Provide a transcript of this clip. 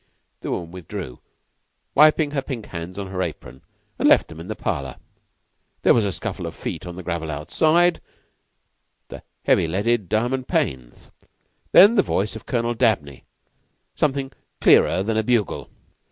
The woman withdrew, wiping her pink hands on her apron, and left them in the parlor. There was a scuffle of feet on the gravel outside the heavily leaded diamond panes, and then the voice of Colonel Dabney, something clearer than a bugle.